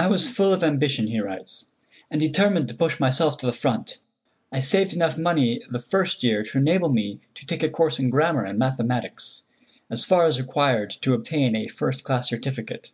"I was full of ambition," he writes, "and determined to push myself to the front. I saved enough money the first year to enable me to take a course in grammar and mathematics, as far as required to obtain a first class certificate."